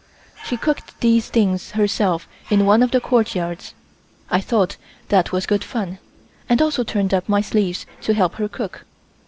She cooked these things herself in one of the courtyards. I thought that was good fun, and also turned up my sleeves to help her cook.